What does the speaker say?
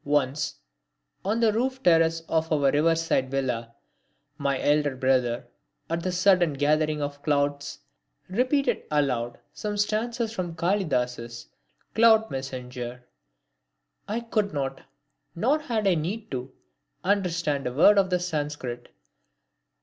Once, on the roof terrace of our river side villa, my eldest brother, at the sudden gathering of clouds, repeated aloud some stanzas from Kalidas's "Cloud Messenger." I could not, nor had I the need to, understand a word of the Sanskrit.